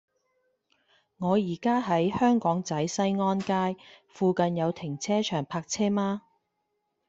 我依家喺香港仔西安街，附近有停車場泊車嗎